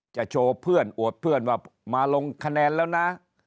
โชว์เพื่อนอวดเพื่อนว่ามาลงคะแนนแล้วนะ